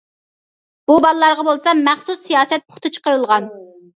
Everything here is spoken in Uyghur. بۇ بالىلارغا بولسا مەخسۇس سىياسەت پۇختا چىقىرىلغان.